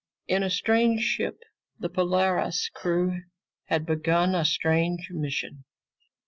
In a strange ship, the Polaris crew had begun a strange mission.